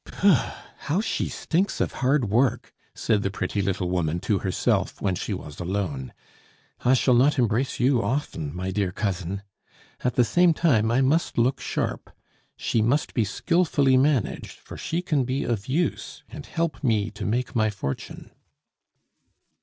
"Pouh! How she stinks of hard work!" said the pretty little woman to herself when she was alone. "I shall not embrace you often, my dear cousin! At the same time, I must look sharp. She must be skilfully managed, for she can be of use, and help me to make my fortune."